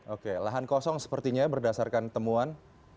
oke lahan kosong sepertinya berdasarkan temuan